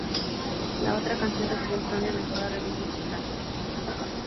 La otra canción recibió el premio a ""Mejor arreglo musical"".